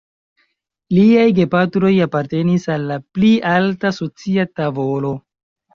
Liaj gepatroj apartenis al la pli alta socia tavolo.